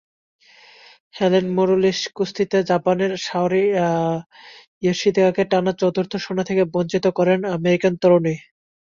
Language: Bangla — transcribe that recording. হেলেন মারুলিসকুস্তিতে জাপানের সাওরি ইয়োশিদাকে টানা চতুর্থ সোনা থেকে বঞ্চিত করেনআমেরিকান তরুণী।